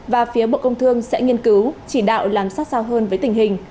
và phía bộ công thương sẽ nghiên cứu chỉ đạo làm sát sao hơn với tình hình